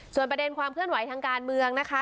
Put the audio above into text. ส่วนประเด็นความเคลื่อนไหวทางการเมืองนะคะ